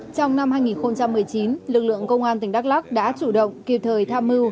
trong năm hai nghìn một mươi chín lực lượng công an tỉnh đắk lắc đã chủ động kịp thời tham mưu